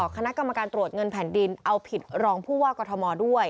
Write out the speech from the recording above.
คณะกรรมการตรวจเงินแผ่นดินเอาผิดรองผู้ว่ากรทมด้วย